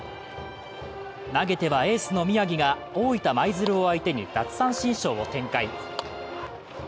投げては、エースの宮城が大分舞鶴を相手に奪三振ショーを展開。